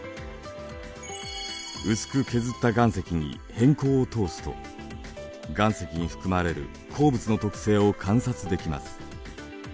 薄く削った岩石に偏光を通すと岩石に含まれる鉱物の特性を観察できます。